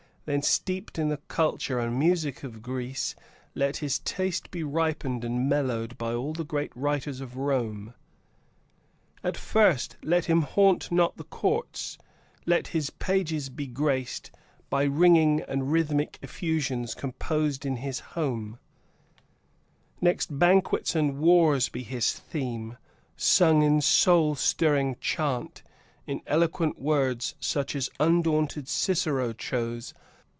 Then, steeped in the culture and music of Greece, let his taste Be ripened and mellowed by all the great writers of Rome. At first, let him haunt not the courts; let his pages be graced By ringing and rhythmic effusions composed in his home Next, banquets and wars be his theme, sung in soul stirring chant, In eloquent words such as undaunted Cicero chose.